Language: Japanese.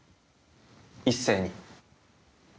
一斉に。